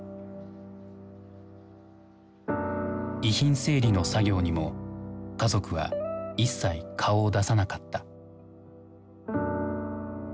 遺品整理の作業にも家族は一切顔を出さなかった。